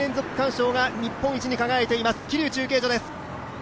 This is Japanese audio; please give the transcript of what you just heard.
日本一に輝いています桐生中継所です。